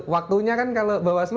waktunya kan kalau bawah slu